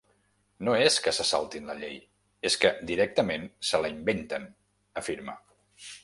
No és que se saltin la llei, és que directament se la inventen, afirma.